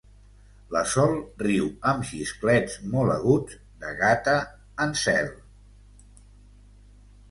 La Sol riu amb xisclets molt aguts, de gata en zel.